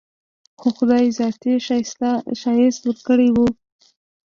خو خداى ذاتي ښايست وركړى و.